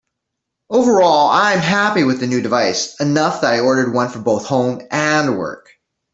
Overall I'm happy with the new device, enough that I ordered one for both home and work.